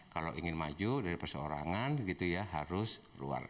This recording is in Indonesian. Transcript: kalau ingin maju dari perseorangan gitu ya harus keluar